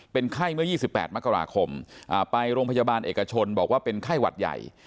เป็นไข้เมื่อ๒๘มกราคมไปโรงพยาบาลเอกชนบอกว่าเป็นไข้หวัดใหญ่